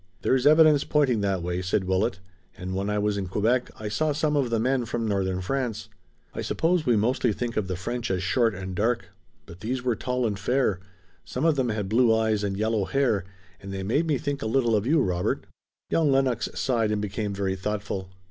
"There's evidence pointing that way," said Willet, "and when I was in Quebec I saw some of the men from Northern France. I suppose we mostly think of the French as short and dark, but these were tall and fair. Some of them had blue eyes and yellow hair, and they made me think a little of you, Robert." Young Lennox sighed and became very thoughtful.